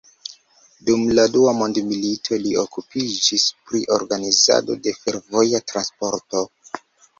Dum la Dua mondmilito li okupiĝis pri organizado de fervoja transporto.